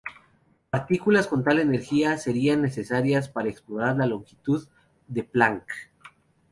Partículas con tal energía serían necesarias para explorar la longitud de Planck.